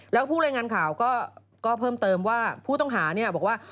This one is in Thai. แล้วผู้รายงานข่าวก็เพิ่มเติมว่าผู้ต้องหาบอกว่า